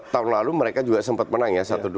tahun lalu mereka juga sempat menang ya satu dua